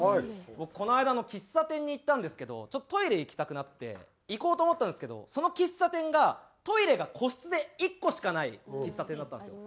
僕この間喫茶店に行ったんですけどちょっとトイレ行きたくなって行こうと思ったんですけどその喫茶店がトイレが個室で１個しかない喫茶店だったんですよ。